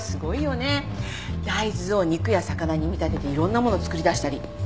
大豆を肉や魚に見立てていろんなものを作り出したり。